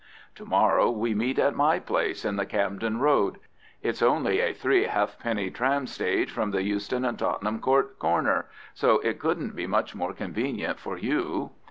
To morrow we meet at my place in the Camden Road. It's only a three half penny tram stage from the Euston and Tottenham Court corner, so it couldn't be much more convenient for you."